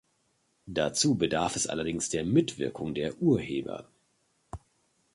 Dazu bedarf es allerdings der Mitwirkung der Urheber.